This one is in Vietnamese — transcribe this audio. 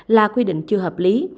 là quy định chưa hợp lý